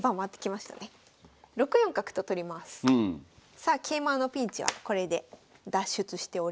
さあ桂馬のピンチはこれで脱出しております。